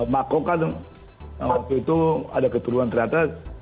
makrok kan waktu itu ada keturunan ternyata